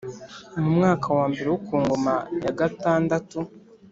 Mu mwaka wa mbere wo ku ngoma ya gatandatu